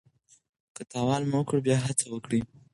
که تاوان مو وکړ بیا هڅه وکړئ.